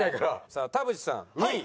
さあ田渕さん２位。